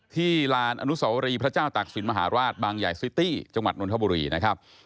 ลานอนุสวรีพระเจ้าตักศิลปมหาราชบางใหญ่ซิตี้จังหวัดนทบุรีนะครับ